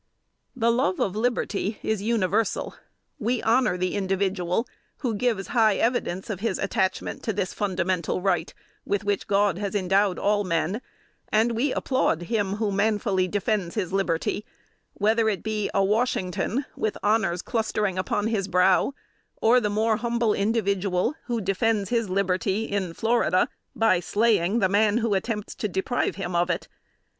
" The love of liberty is universal. We honor the individual who gives high evidence of his attachment to this fundamental right, with which God has endowed all men, and we applaud him who manfully defends his liberty, whether it be a Washington with honors clustering upon his brow, or the more humble individual who defends his liberty in Florida, by slaying the man who attempts to deprive him of it.